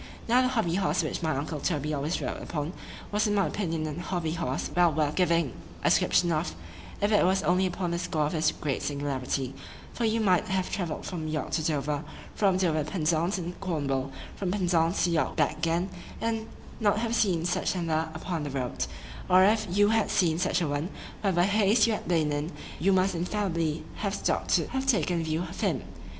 Now the HOBBY HORSE which my uncle Toby always rode upon, was in my opinion an HOBBY HORSE well worth giving a description of, if it was only upon the score of his great singularity;—for you might have travelled from York to Dover,—from Dover to Penzance in Cornwall, and from Penzance to York back again, and not have seen such another upon the road; or if you had seen such a one, whatever haste you had been in, you must infallibly have stopp'd to have taken a view of him.